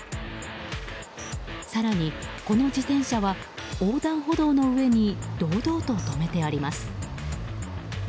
更にこの自転車は横断歩道の上に堂々と止めてあります。